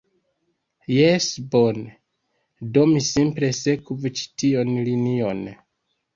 Jes, bone. Do mi simple sekvu ĉi tiun linion